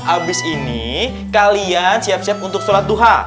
abis ini kalian siap siap untuk sholat duha